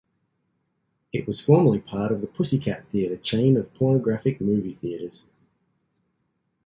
It was formerly part of the Pussycat Theater chain of pornographic movie theaters.